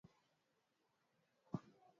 sitimizi sheria